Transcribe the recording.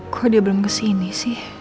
kok dia belum kesini sih